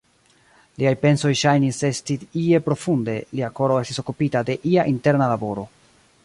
Liaj pensoj ŝajnis esti ie profunde, lia koro estis okupita de ia interna laboro.